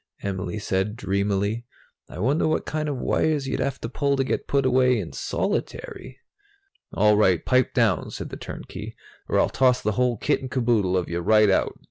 Em said dreamily. "I wonder what kind of wires you'd have to pull to get put away in solitary?" "All right, pipe down," said the turnkey, "or I'll toss the whole kit and caboodle of you right out.